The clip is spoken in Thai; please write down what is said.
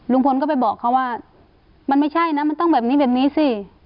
ลุงพลก็ไปบอกเขาว่ามันไม่ใช่นะมันต้องแบบนี้แบบนี้สิ